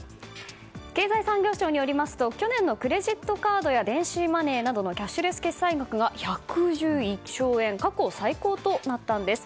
経済産業省によりますと去年のクレジットカードや電子マネーなどのキャッシュレス決済額が１１１兆円過去最高となったんです。